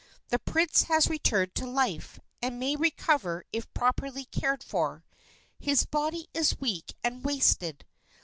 The prince has returned to life, and may recover if properly cared for. His body is weak and wasted.